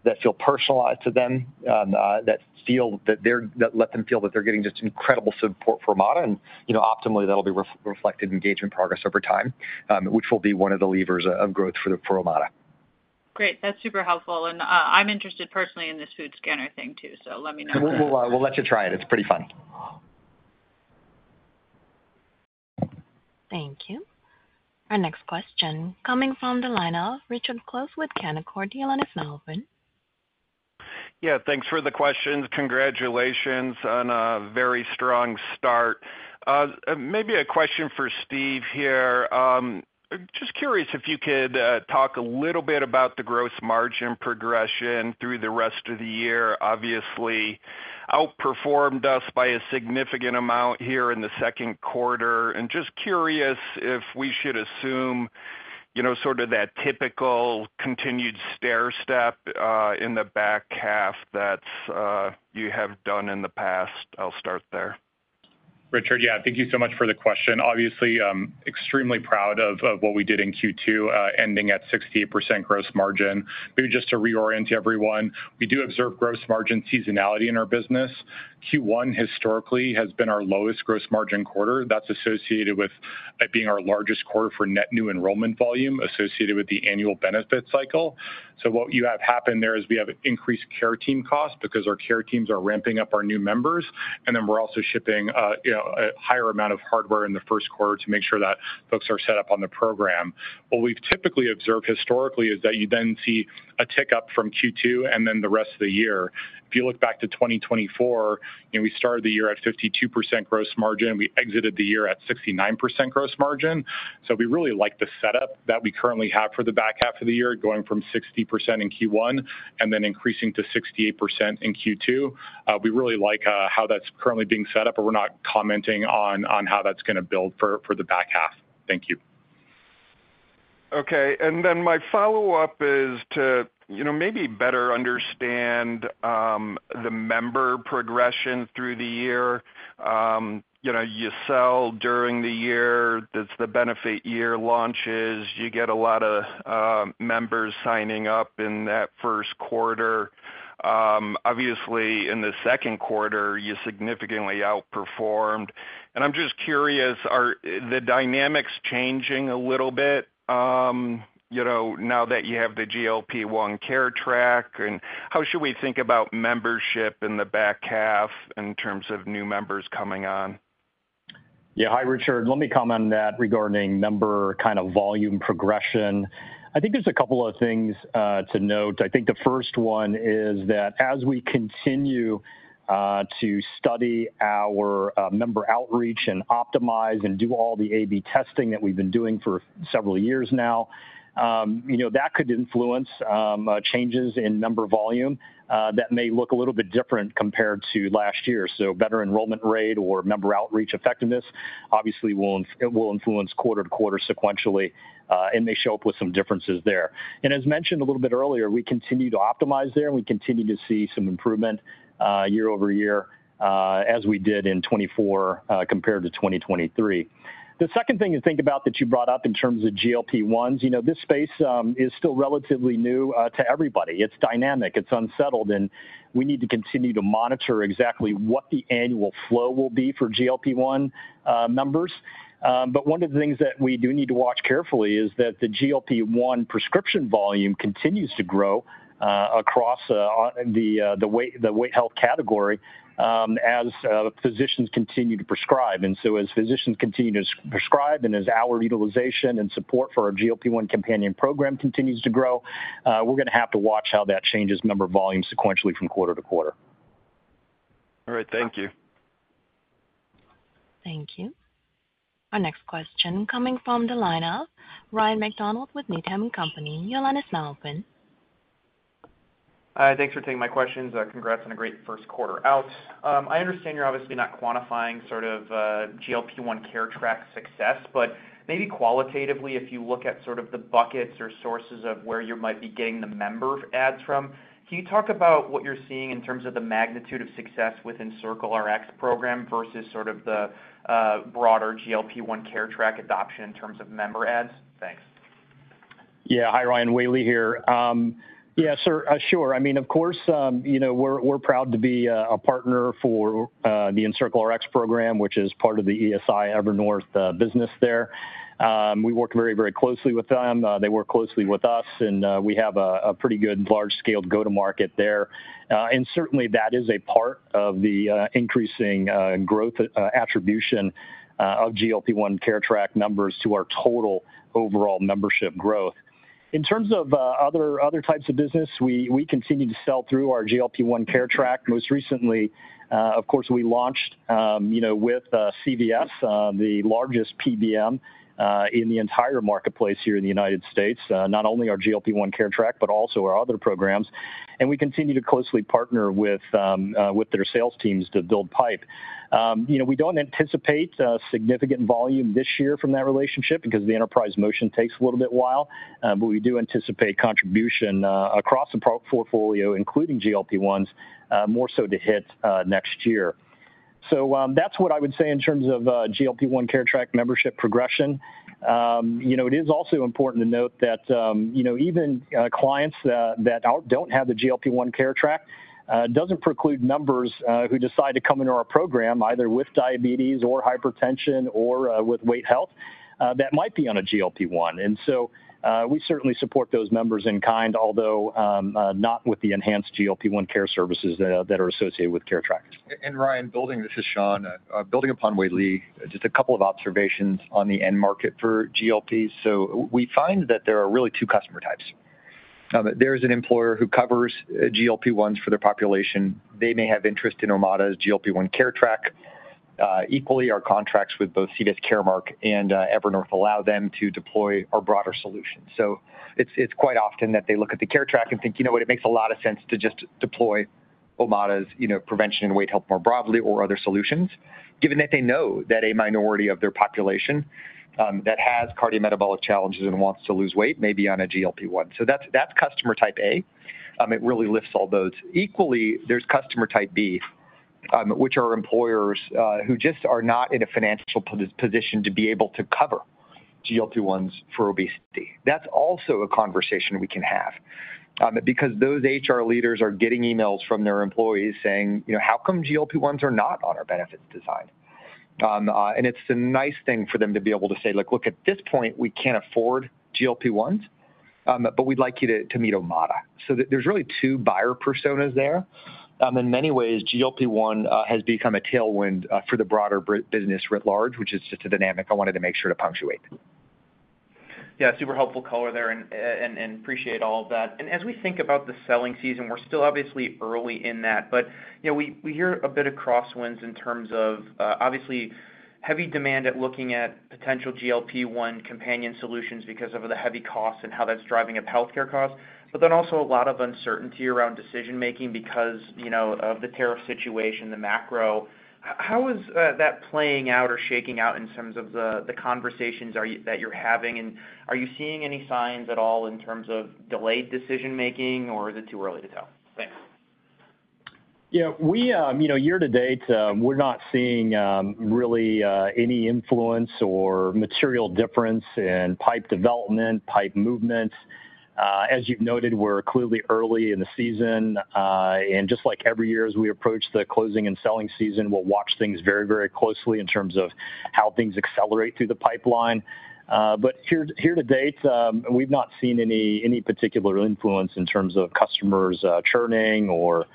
that feel personalized to them, that let them feel that they're getting just incredible support from Omada. Optimally, that'll be reflected in engagement progress over time, which will be one of the levers of growth for Omada. Great, that's super helpful. I'm interested personally in this food scanner thing too. Let me know. Let you try it. It's pretty fun. Thank you. Our next question coming from the line of Richard Close with Canaccord Genuity. Yeah, thanks for the questions. Congratulations on a very strong start. Maybe a question for Steve here. Just curious if you could talk a little bit about the gross margin progression through the rest of the year. Obviously outperformed us by a significant amount here in the second quarter. Just curious if we should assume sort of that typical continued stair step in the back half that you have done in the past. I'll start there, Richard. Yeah, thank you so much for the question. Obviously, extremely proud of what we did in Q2 ending at 60% gross margin. Maybe just to reorient everyone, we do observe gross margin seasonality in our business. Q1 historically has been our lowest gross margin quarter. That's associated with being our largest quarter for net new enrollment volume associated with the annual benefit cycle. What you have happen there is we have increased care team costs because our care teams are ramping up our new members. We're also shipping a higher amount of hardware in the first quarter to make sure that folks are set up on the program. What we've typically observed historically is that you then see a tick up from Q2 and then the rest of the year. If you look back to 2024, we started the year at 52% gross margin. We exited the year at 69% gross margin. We really like setup that we currently have for the back half of the year going from 60% in Q1 and then increasing to 68% in Q2. We really like how that's currently being set up, but we're not commenting on how that's going to build for the back half. Thank you. Okay, and then my follow up is to maybe better understand the member progression through the year. You know, you sell during the year. That's the benefit year launches. You get a lot of members signing up in that first quarter. Obviously, in the second quarter, you significantly outperformed. I'm just curious, are the dynamics changing a little bit, now that you have the GLP-1 Care Track? How should we think about membership in the back half in terms of new members coming on? Yeah. Hi, Richard. Let me comment on that. Regarding member kind of volume progression, I think there's a couple of things to note. The first one is that as we continue to study our member outreach and optimize and do all the AB testing that we've been doing for several years now, that could influence changes in member volume that may look a little bit different compared to last year. Better enrollment rate or member outreach effectiveness obviously will influence quarter to quarter sequentially, and they show up with some differences there. As mentioned a little bit earlier, we continue to optimize there and we continue to see some improvement year-over-year as we did in 2024 compared to 2023. The second thing to think about that you brought up in terms of GLP-1s, this space is still relatively new to everybody. It's dynamic, it's unsettled, and we need to continue to monitor exactly what the annual flow will be for GLP-1 numbers. One of the things that we do need to watch carefully is that the GLP-1 prescription volume continues to grow across the weight health category as physicians continue to prescribe, and as physicians continue to prescribe and as our utilization and support for our GLP-1 companion program continues to grow, we're going to have to watch how that changes member volume. Sequentially from quarter to quarter. All right, thank you. Thank you. Our next question coming from, Ryan MacDonald with Needham and Company. Your line is now open. Hi. Thanks for taking my questions. Congrats on a great first quarter out. I understand you're obviously not quantifying sort of GLP-1 Care Track success, but maybe qualitatively, if you look at sort of the buckets or sources of where you might be getting the member adds from, can you talk about what you're seeing in terms of the magnitude of success within Omada Health's program versus sort of the broader GLP-1 Care Track adoption in terms of member adds? Thanks. Yeah, hi, Ryan Whaley here. Yeah, sure. I mean, of course, you know, we're proud to be a partner for the EncircleRx program, which is part of the Evernorth business there. We work very, very closely with them, they work closely with us, and we have a pretty good large-scale go-to-market there. That is a part of the increasing growth attribution of GLP-1 Care Track numbers to our total overall membership growth. In terms of other types of business, we continue to sell through our GLP-1 Care Track. Most recently, of course, we launched with CVS Caremark, the largest PBM in the entire marketplace here in the United States., not only our GLP-1 Care Track, but also our other programs. We continue to closely partner with their sales teams to build pipe. We don't anticipate significant volume this year from that relationship because the enterprise motion takes a little bit while. We do anticipate contribution across the portfolio, including GLP-1s, more so to hit next year. That's what I would say in terms of GLP-1 Care Track membership progression. It is also important to note that even clients that don't have the GLP-1 Care Track, it doesn't preclude members who decide to come into our program either with diabetes or hypertension or with weight health that might be on a GLP-1. We certainly support those members in kind, although not with the enhanced GLP-1 care services that are associated with. Care Track and Ryan building. This is Sean building upon Wei-Li. Just a couple of observations on the end market for GLP. We find that there are really two customer types. There is an employer who covers GLP-1s for their population. They may have interest in Omada's GLP-1 Care Track equally. Our contracts with both CVS Caremark and Evernorth allow them to deploy our broader solution. It is quite often that they look at the Care Track and think, you know what, it makes a lot of sense to just deploy Omada's, you know, prevention and weight health more broadly or other solutions, given that they know that a minority of their population that has cardiometabolic challenges and wants to lose weight may be on a GLP-1. That's customer type A. It really lifts all those equally. There's customer type B, which are employers who just are not in a financial position to be able to cover GLP-1s for obesity. That's also a conversation we can have because those HR leaders are getting emails from their employees saying, you know, how come GLP-1s are not on our benefits design? It's a nice thing for them to be able to say, look, at this point, we can't afford GLP-1s, but we'd like you to meet Omada. There's really two buyer personas there. In many ways, GLP-1 has become a tailwind for the broader business writ large, which is such a dynamic. I wanted to make sure to punctuate. Yeah, super helpful color there and appreciate all that. As we think about the selling season, we're still obviously early in that, but we hear a bit of crosswinds in terms of obviously heavy demand at looking at potential GLP-1 companion solutions because of the heavy costs and how that's driving up healthcare costs, but then also a lot of uncertainty around decision making because of the tariff situation, the macro. How is that playing out or shaking out in terms of the conversations that you're having? Are you seeing any signs at all in terms of delayed decision making? Is it too early to tell? Thanks. Yeah, we, you know, year to date, we're not seeing really any influence or material difference in pipe development, pipe movements. As you've noted, we're clearly early in the season. Just like every year as we approach the closing and selling season, we'll watch things very, very closely in terms of how things accelerate through the pipeline. Here to date, we've not seen any particular influence in terms of customers churning or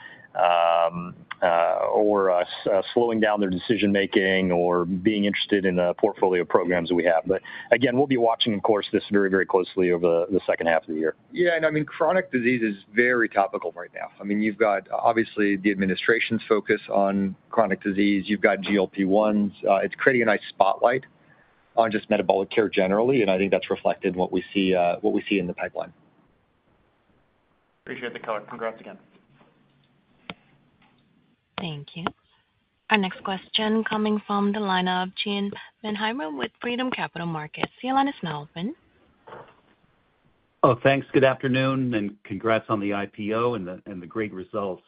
slowing down their decision making or being interested in the portfolio programs we have. Again, we'll be watching, of course, this very, very closely over the second. Half of the year. Yeah, I mean, chronic disease is very topical right now. You've got obviously the administration's focus on chronic disease. You've got GLP-1. It's creating a nice spotlight on just metabolic care generally. I think that's reflected in what. We see in the pipeline. Appreciate the color. Congrats again. Thank you. Our next question coming from the lineup, Gene Mannheimer with Freedom Capital Markets. Your line is now open Oh, thanks. Good afternoon and congrats on the IPO and the great results.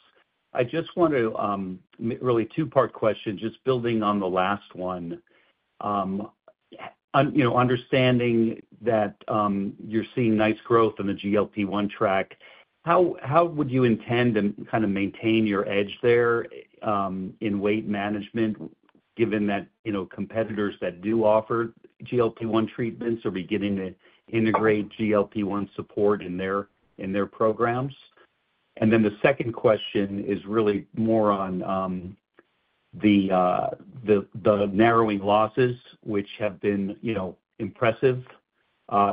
I just want to really. Two part question, just building on the last one. Understanding that you're seeing nice growth on the GLP-1 Care Track, how would you intend and kind of maintain your edge there in weight management given that competitors that do offer GLP-1 treatments are beginning to integrate GLP-1 support in their programs? The second question is really more on the narrowing losses, which have been impressive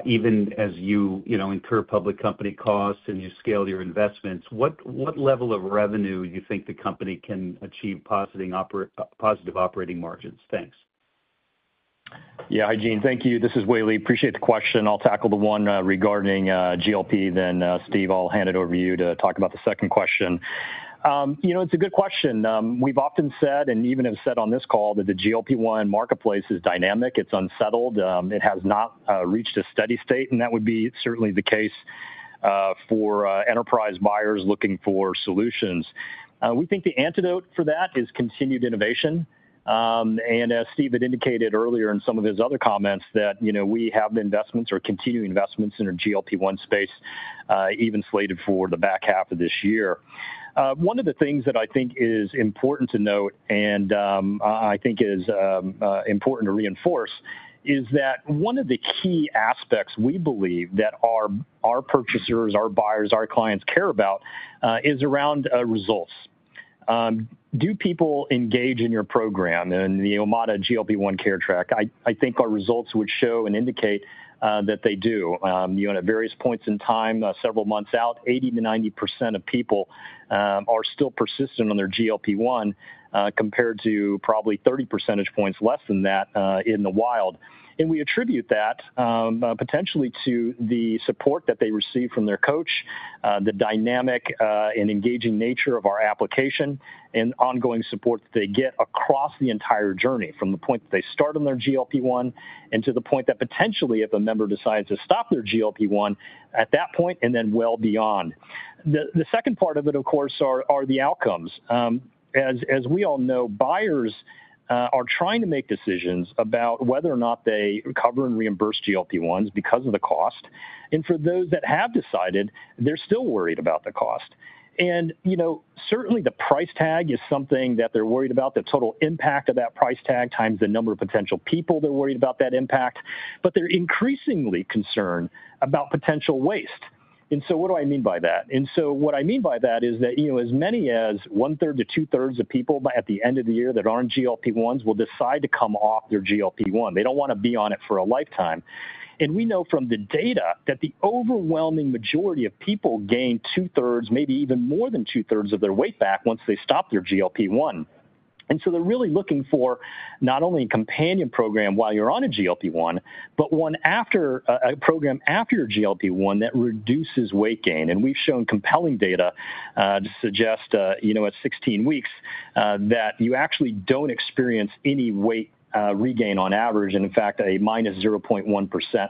even as you incur public company costs and you scale your investments. What level of revenue do you think the company can achieve? Positive operating margins. Thanks. Yeah, Hygiene. Thank you. This is Wei-Li. Appreciate the question. I'll tackle the one regarding GLP, then Steve, I'll hand it over to you to talk about the second question. You know, it's a good question. We've often said and even have said on this call that the GLP-1 marketplace is dynamic, it's unsettled, it has not reached a steady state. That would be certainly the case for enterprise buyers looking for solutions. We think the antidote for that is continued innovation. As Steve had indicated earlier in some of his other comments, we have the investments or continuing investments in our GLP-1 space even slated for the back half of this year. One of the things that I think is important to note and I think is important to reinforce is that one of the key aspects we believe that our purchasers, our buyers, our clients care about is around results. Do people engage in your program in the Omada GLP-1 Care Track? I think our results would show and indicate that they do. At various points in time, several months out, 80-90% of people are still persistent on their GLP-1 compared to probably 30 percentage points less than that in the wild. We attribute that potentially to the support that they receive from their coach, the dynamic and engaging nature of our application, and ongoing support. They get across the entire journey from the point that they start on their GLP-1 and to the point that potentially if a member decides to stop their GLP-1 at that point and then well beyond the second part of it, of. course, are the outcomes. As we all know, buyers are trying to make decisions about whether or not they recover and reimburse GLP-1s because of the cost. For those that have decided they're. Still worried about the cost, and you know, certainly the price tag is something. That they're worried about the total impact of that price tag. Times the number of potential people that. Are worried about that impact, but they are. Increasingly concerned about potential waste. What I mean by that is that as many as 1/3-2/3 of people by the end of the year that aren't on GLP-1s will decide to come off their GLP-1. They don't want to be on it for a lifetime. We know from the data that. The overwhelming majority of people gain 66.7%. Maybe even more than 2/3 of their. Weight back once they stop their GLP-1. They're really looking for not. Only a companion program while you're on a GLP-1, but one after a program after your GLP-1 that reduces weight gain. We've shown compelling data to suggest at 16 weeks that you actually don't experience any weight regain on average, and in fact a -0.1%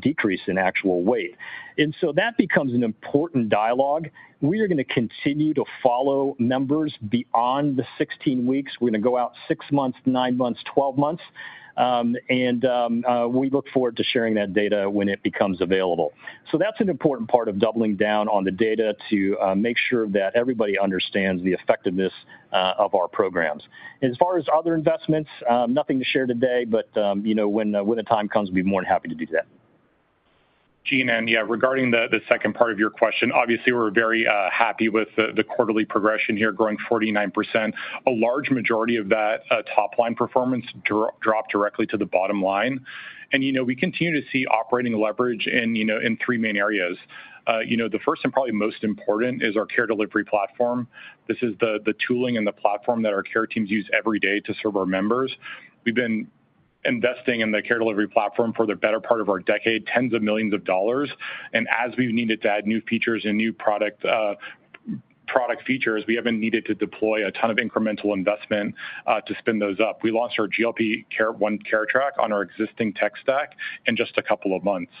decrease in actual weight. That becomes an important dialogue. We are going to continue to follow. Members beyond the 16 weeks. We're going to go out six months, nine months, 12 months, and we look forward to sharing that data when it becomes available. That's an important part of doubling down on the data to make sure that everybody understands the effectiveness of our programs. As far as other investments, nothing to share today, but when the time comes, we'll be more than. Happy to do that. Yeah, regarding the second part of your question, obviously we're very happy with the quarterly progression here growing 49%. A large majority of that top line performance dropped directly to the bottom line. We continue to see operating leverage in three main areas. The first and probably most important is our care delivery platform. This is the tooling and the platform that our care teams use every day to serve our members. We've been investing in the care delivery platform for the better part of our decade, tens of millions of dollars. As we needed to add new features and new product features, we haven't needed to deploy a ton of incremental investment to spin those up. We launched our GLP-1 Care Track on our existing tech stack in just a couple of months.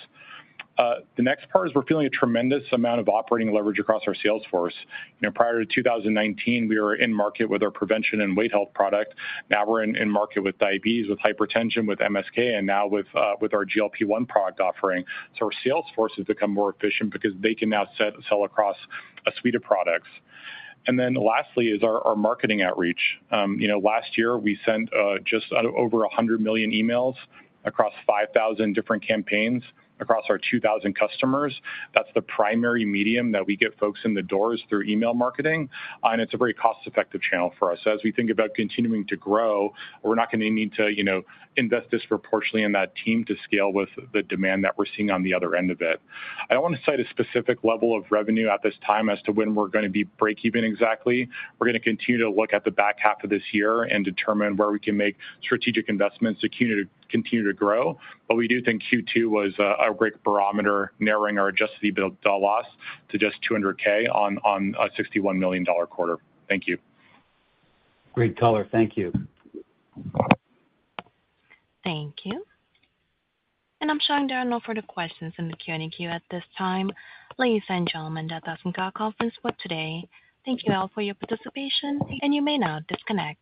The next part is we're feeling a tremendous amount of operating leverage across our sales force. Prior to 2019, we were in market with our Prevention and Weight Health product. Now we're in market with Diabetes, with Hypertension, with Musculoskeletal, and now with our GLP-1 product offering. Our sales force has become more efficient because they can now sell across a suite of products. Lastly is our marketing outreach. Last year we sent just over 100 million emails across 5,000 different campaigns across our 2,000 customers. That's the primary medium that we get folks in the doors through email marketing, and it's a very cost effective channel for us as we think about continuing to grow. We're not going to need to invest disproportionately in that team to scale with the demand that we're seeing on the other end of it. I don't want to cite a specific level of revenue at this time as to when we're going to be break even exactly. We're going to continue to look at the back half of this year and determine where we can make strategic investments to continue to grow. We do think Q2 was a great barometer, narrowing our adjusted EBITDA loss to just $200,000 on a $61 million quarter. Thank you. Great caller, thank you. Thank you. I'm showing there are no further questions in the Q&A queue at this time. Ladies and gentlemen, that does conclude our conference for today. Thank you all for your participation, and you may now disconnect.